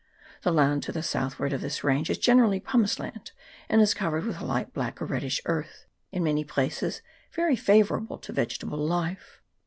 The land to the southward of this range is generally pumice land, and is covered with a light black or reddish earth, in many places very favourable to vegetable life.